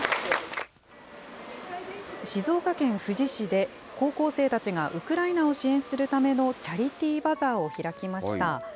静岡県富士市で、高校生たちがウクライナを支援するためのチャリティーバザーを開きました。